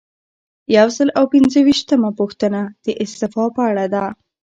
یو سل او پنځه ویشتمه پوښتنه د استعفا په اړه ده.